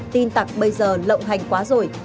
tin tặc bây giờ lộng hành quá rồi